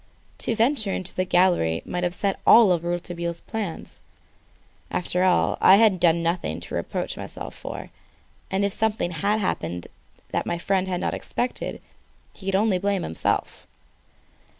To venture into the gallery might upset all Rouletabille's plans. After all, I had nothing to reproach myself for, and if something had happened that my friend had not expected he could only blame himself.